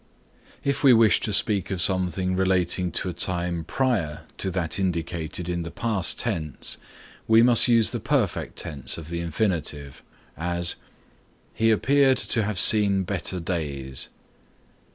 If we wish to speak of something relating to a time prior to that indicated in the past tense we must use the perfect tense of the infinitive; as, "He appeared to have seen better days."